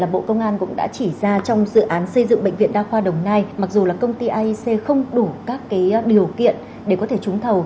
bộ công an cũng đã chỉ ra trong dự án xây dựng bệnh viện đa khoa đồng nai mặc dù là công ty aic không đủ các điều kiện để có thể trúng thầu